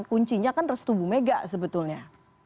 kuncinya kan restubu mega sebetulnya